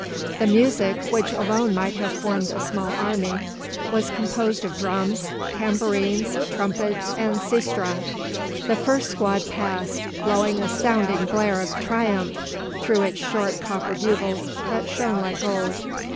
The music, which alone might have formed a small army, was composed of drums, tambourines, trumpets, and sistra. The first squad passed, blowing a sounding blare of triumph through its short copper bugles that shone like gold.